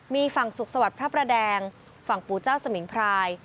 มีฝั่งสุขสวัสดิ์พระประแดงฝั่งปู่เจ้าสมิงพราย